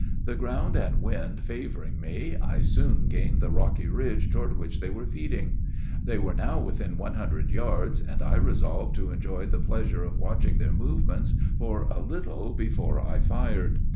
The ground and wind favoring me, I soon gained the rocky ridge toward which they were feeding. They were now within one hundred yards, and I resolved to enjoy the pleasure of watching their movements for a little before I fired.